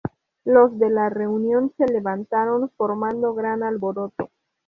Los de la reunión se levantaron formando gran alboroto.